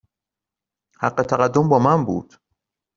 حق تقدم با من بود.